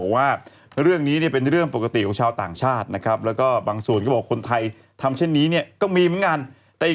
ว่าสไตล์คุณเหมาะสมกับผลิตภัณฑ์นี้อย่างไร